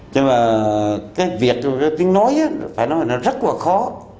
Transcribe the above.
nhưng mà cái việc cái tiếng nói phải nói là nó rất là khó